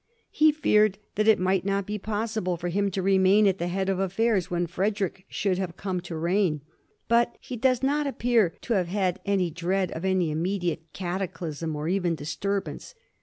He feared that it might not be possible for him to remain at the head of affairs when Frederick should have come to reign. But he does not appear to have had any dread of any immediate cata clysm or even disturbance.